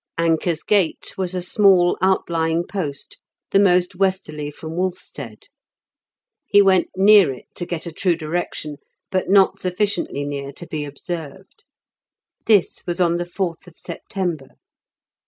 Anker's Gate was a small outlying post, the most westerly from Wolfstead; he went near it to get a true direction, but not sufficiently near to be observed. This was on the fourth of September.